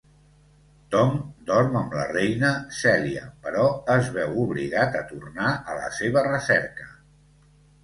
Tom dorm amb la reina, Celia, però es veu obligat a tornar a la seva recerca.